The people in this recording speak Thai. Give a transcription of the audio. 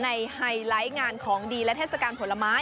ไฮไลท์งานของดีและเทศกาลผลไม้